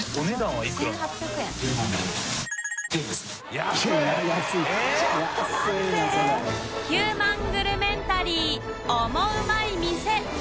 礇劵紂璽泪グルメンタリーオモウマい店磴